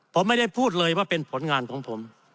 ผมไม่ได้พูดเลยว่าเป็นผลงานของผม